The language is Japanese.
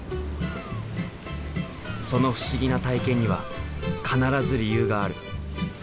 その不思議な体験には必ず理由がある。